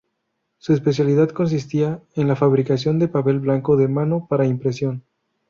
Su especialidad consistía en la fabricación de papel blanco de mano para impresión.